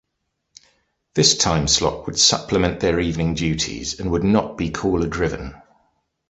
This timeslot would supplement their evening duties, and would not be caller driven.